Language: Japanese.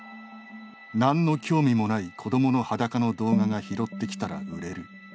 何の興味もない子どもの裸の動画が、拾ってきたら売れる。